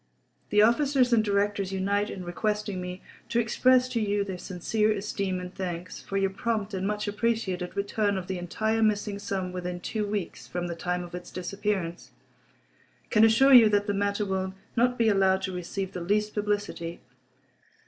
… The officers and directors unite in requesting me to express to you their sincere esteem and thanks for your prompt and much appreciated return of the entire missing sum within two weeks from the time of its disappearance. … Can assure you that the matter will not be allowed to receive the least publicity.